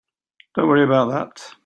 Don't worry about that.